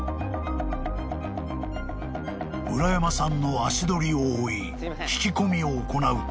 ［村山さんの足取りを追い聞き込みを行うと］